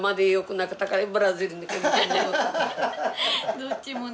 どっちもね。